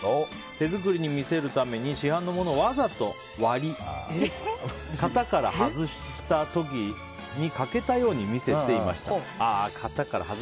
手作りに見せるために市販のものをわざと割り型から外した時に欠けたように見せていました。